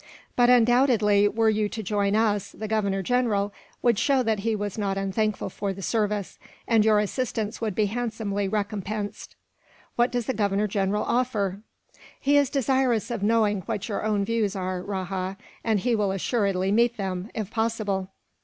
"But undoubtedly, were you to join us, the Governor General would show that he was not unthankful for the service, and your assistance would be handsomely recompensed." "What does the Governor General offer?" "He is desirous of knowing what your own views are, Rajah; and he will assuredly meet them, if possible."